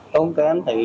đúng cái anh